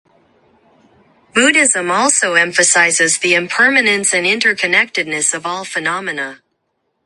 Buddhism also emphasizes the impermanence and interconnectedness of all phenomena.